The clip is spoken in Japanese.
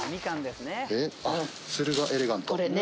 「するがエレガント」。